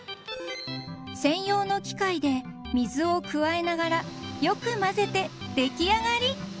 ［専用の機械で水を加えながらよく混ぜて出来上がり］